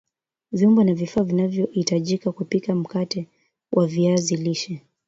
Vyombo na vifaa vinavyahitajika kupika mkate wa viazi lishe